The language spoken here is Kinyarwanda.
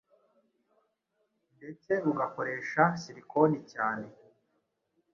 ndetse ugakoresha silikoni cyane